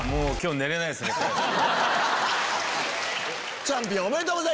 チャンピオンおめでとうございます！